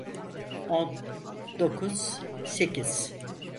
On, dokuz, sekiz…